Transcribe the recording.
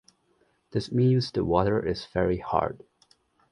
This means the water is very hard.